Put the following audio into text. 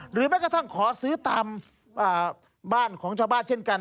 แม้กระทั่งขอซื้อตามบ้านของชาวบ้านเช่นกัน